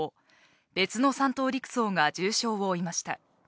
別の３等陸曹が重傷を負いました。